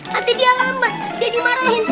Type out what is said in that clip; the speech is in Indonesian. nanti dia lambat dia dimarahin